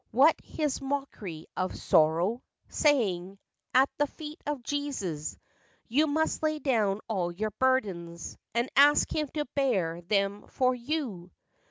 What his mockery of sorrow, Saying: 'At the feet of Jesus You must lay down all your burdens, And ask him to bear them for you